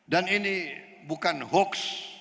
dan ini bukan hoax